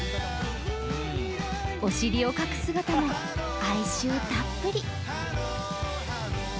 お尻をかく姿も哀愁たっぷり。